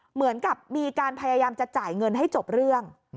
เหมือนกับมีการพยายามจะจ่ายเงินให้จบเรื่อง